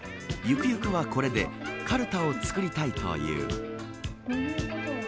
ゆくゆくは、これでかるたを作りたいという。